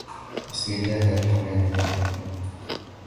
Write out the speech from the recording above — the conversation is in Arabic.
بسم الله الرحمن الرحيم الرحمن